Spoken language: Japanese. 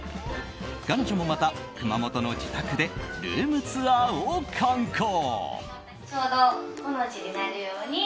彼女もまた、熊本の自宅でルームツアーを刊行。